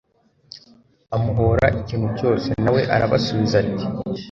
amuhora ikintu cyose? na we arabasubiza ati